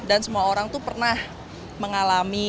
dan semua orang itu pernah mengalami